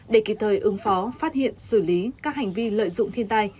để kịp thời ứng phó phát hiện xử lý các hành vi lợi dụng thiên tai